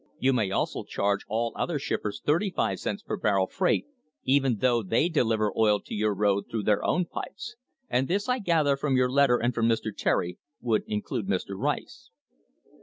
You may also charge all other shippers thirty five cents per barrel freight, even though they deliver oil to your road through their own fifes; and this, I gather from your letter and from Mr. Terry, would include Mr. Rice."